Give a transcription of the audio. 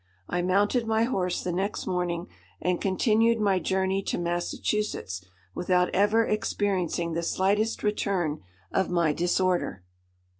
I mounted my horse the next morning, and continued my journey to Massachusetts, without ever experiencing the slightest return of my disorder.